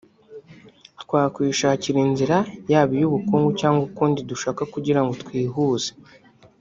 twakwishakira inzira yaba iy’ubukungu cyangwa ukundi dushaka kugira ngo twihuze